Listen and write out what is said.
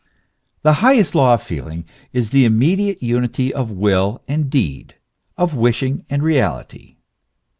The highest law of feeling is the immediate unity of will and deed, of wishing and reality.